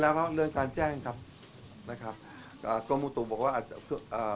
กลางคืนเราจะขอแจ้งได้ไหมครับว่าฐานการณ์จะไม่เหลือภาษา